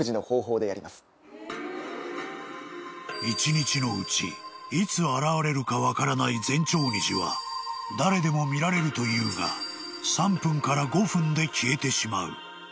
［一日のうちいつ現れるか分からない前兆虹は誰でも見られるというが３分から５分で消えてしまう］